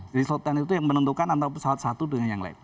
jadi slot time itu yang menentukan antara pesawat satu dengan yang lain